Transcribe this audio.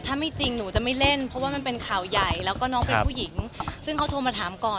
ถ้าไม่จริงหนูจะไม่เล่นเพราะว่ามันเป็นข่าวใหญ่แล้วก็น้องเป็นผู้หญิงซึ่งเขาโทรมาถามก่อน